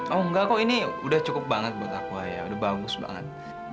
oh enggak kok ini udah cukup banget buat aku ya udah bagus banget